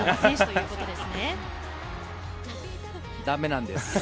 だめなんです。